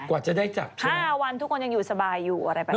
กว่าจะได้จับ๕วันทุกคนยังอยู่สบายอยู่อะไรแบบนี้